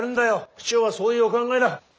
市長はそういうお考えだ。